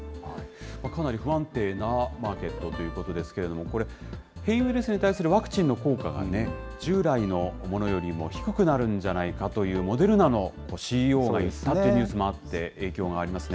かなり不安定なマーケットということですけれども、これ、変異ウイルスに対するワクチンの効果がね、従来のものよりも低くなるんじゃないかというモデルナのＣＥＯが言ったというニュースもあって、影響がありましたね。